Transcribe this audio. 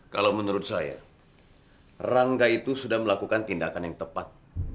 kalau menurut saya rangga itu sudah melakukan tindakan yang tepat